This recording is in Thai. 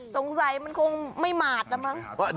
สงสัยมันคงไม่หมาดแล้วมั้ง